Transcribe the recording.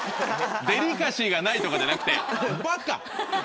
「デリカシーがない」とかじゃなくて「バカ」？